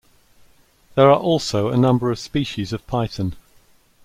There are also a number of species of python.